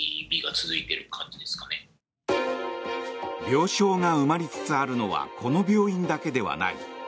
病床が埋まりつつあるのはこの病院だけではない。